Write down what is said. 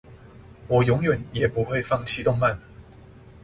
我永遠也不會放棄動漫